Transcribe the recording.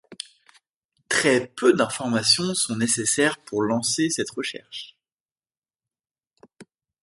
Très peu d'informations sont nécessaires pour lancer cette recherche.